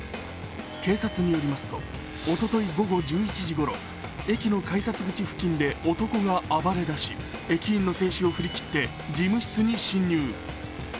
警察によりますと、おととい午後１１時ごろ、駅の改札口付近で男が暴れ出し駅員の制止を振り切って事務室に侵入。